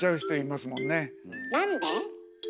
なんで？